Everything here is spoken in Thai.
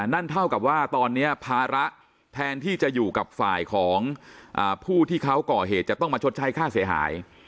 นั่นเท่ากับว่าตอนนี้ภาระแทนที่จะอยู่กับฝ่ายของผู้ที่เขาก่อเหตุจะต้องมาชดใช้ค่าเสียหาย